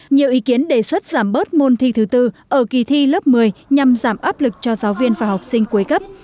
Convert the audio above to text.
nhiều ý kiến đề xuất giảm bớt môn thi thứ bốn ở kỳ thi lớp một mươi nhằm giảm áp lực cho giáo viên và học sinh cuối cấp